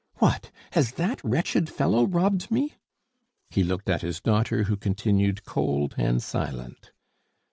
What! has that wretched fellow robbed me? " He looked at his daughter, who continued cold and silent.